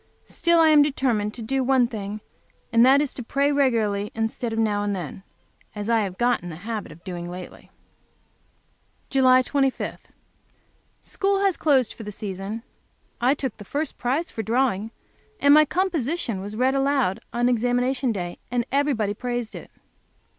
Still, I am determined to do one thing, and that is to pray, regularly instead of now and then, as I have got the habit of doing lately. July 25. School has closed for the season. I took the first prize for drawing, and my composition was read aloud on examination day, and everybody praised it.